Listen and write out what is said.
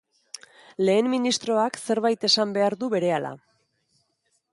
Lehen ministroak zerbait esan behar du berehala.